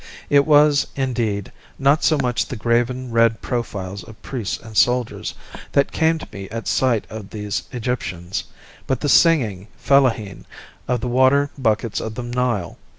It was, indeed, not so much the graven red profiles of priests and soldiers that came tome at sight of these Egyptians, but the singing fellaheen of the water buckets of the Nile.